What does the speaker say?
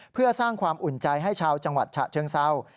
เพื่อสร้างความอุ่นใจให้ชาวจังหวัดฉะเชิงเศร้า